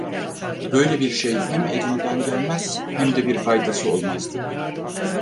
Böyle bir şey hem elimden gelmez, hem de bir faydası olmazdı.